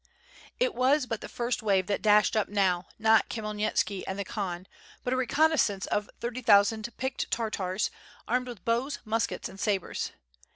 It was but the first wave that dashed up now, not Khmyel nitsky and the Khan, but a reconnaissance of thirty thou sand picked Tartars, armed with bows, muskets, and sabres.